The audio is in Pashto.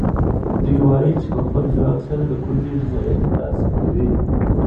دوی وایي چې په خپل ځواک سره د کونډې رضایت ترلاسه کوي.